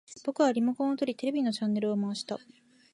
僕はリモコンを取り、テレビのチャンネルを回した